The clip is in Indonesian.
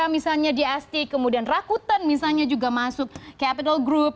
misalnya di ast kemudian rakuten misalnya juga masuk capital group